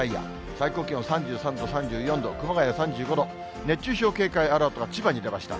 最高気温、３３度、３４度、熊谷３５度、熱中症警戒アラートが千葉に出ました。